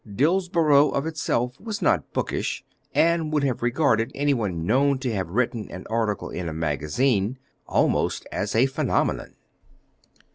Dillsborough of itself was not bookish, and would have regarded any one known to have written an article in a magazine almost as a phenomenon.